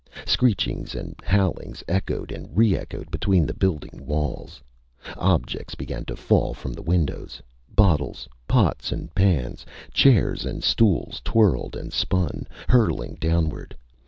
Screechings and howlings echoed and re echoed between the building walls. Objects began to fall from the windows: bottles, pots and pans. Chairs and stools twirled and spun, hurtling downward.